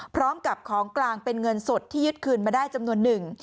พร้อมกับของกลางเป็นเงินสดที่ยึดคืนมาได้จำนวนหนึ่ง